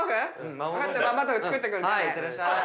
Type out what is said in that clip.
いってらっしゃい。